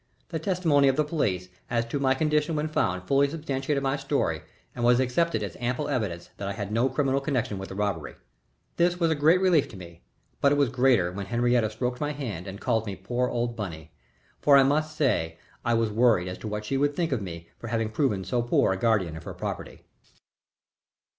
The testimony of the police as to my condition when found fully substantiated my story and was accepted as ample evidence that I had no criminal connection with the robbery. This was a great relief to me, but it was greater when Henriette stroked my hand and called me "poor old Bunny," for I must say I was worried as to what she would think of me for having proven so poor a guardian of her property.